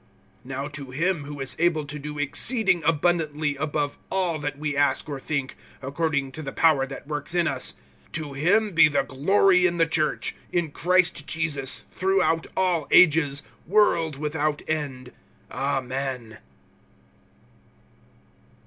(20)Now to him who is able to do exceeding abundantly above all that we ask or think, according to the power that works in us, (21)to him be the glory in the church, in Christ Jesus, throughout all ages, world without end. Amen.